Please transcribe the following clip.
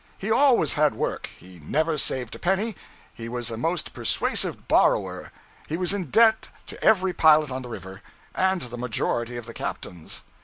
He always had work, he never saved a penny, he was a most persuasive borrower, he was in debt to every pilot on the river, and to the majority of the captains.